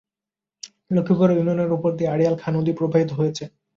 লক্ষীপুর ইউনিয়নের উপর দিয়ে আড়িয়াল খাঁ নদী প্রবাহিত হয়েছে।